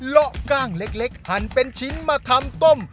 เลาะก้างเล็กเล็กหันเป็นชิ้นมาทำต้ม